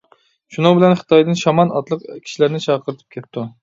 شۇنىڭ بىلەن خىتايدىن شامان ئاتلىق كىشىلەرنى چاقىرتىپ كەپتۇ.